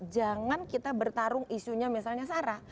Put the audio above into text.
jangan kita bertarung isunya misalnya sarah